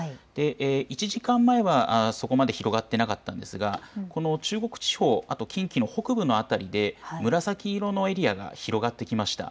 １時間前はそこまで広がっていなかったんですが中国地方、あと近畿の北部の辺りで紫色のエリアが広がってきました。